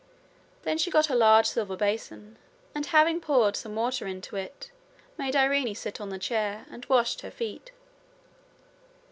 Then she got a large silver basin, and having poured some water into it made Irene sit on the chair, and washed her feet.